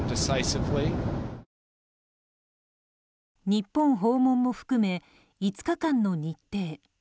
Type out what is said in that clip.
日本訪問も含め５日間の日程。